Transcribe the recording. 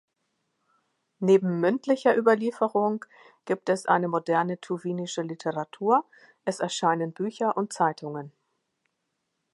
Neben mündlicher Überlieferung gibt es eine moderne tuwinische Literatur, es erscheinen Bücher und Zeitungen.